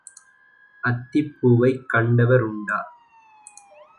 அத்திப் பூவைக் கண்டவர் உண்டா?